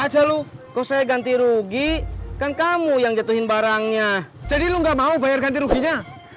lalu kau saya ganti rugi kan kamu yang jatuhin barangnya jadi lu nggak mau bayar ganti ruginya